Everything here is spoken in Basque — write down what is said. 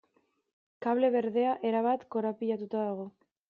Kable berdea erabat korapilatuta dago.